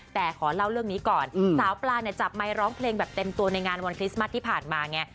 แต่ขอเล่าเรื่องนี้ก่อนสาวปลาเนี่ยจับไมค์ร้องเพลงแบบเต็มตัวในงานวันคริสต์มัสที่ผ่านมาไง